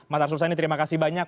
mas arsul sani terima kasih banyak